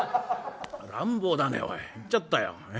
乱暴だねおい行っちゃったよ。